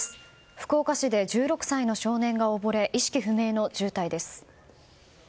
福岡市で１６歳の少年がおぼれ意識不明の重体です。